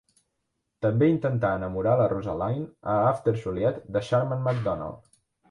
També intenta enamorar la Rosaline a "After Juliet" de Sharman Macdonald.